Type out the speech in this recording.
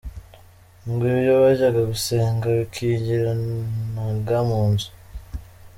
Ngo iyo bajyaga gusenga bikingiranaga mu nzu.